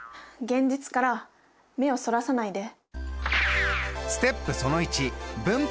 現実から目をそらさないで。